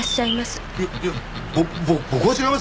いやぼぼ僕は違いますよ！